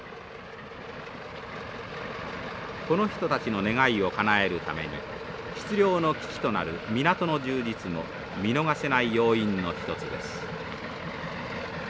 この人たちの願いをかなえるために出漁の基地となる港の充実も見逃せない要因の一つです。